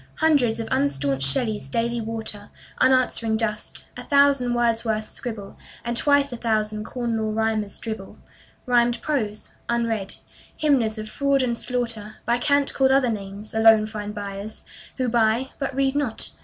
Hundreds of unstaunched Shelleys daily water Unanswering dust; a thousand Wordsworths scribble; And twice a thousand Corn Law Rhymers dribble Rhymed prose, unread. Hymners of fraud and slaughter, By cant called other names, alone find buyers Who buy, but read not.